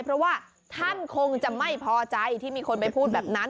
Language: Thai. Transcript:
เพราะว่าท่านคงจะไม่พอใจที่มีคนไปพูดแบบนั้น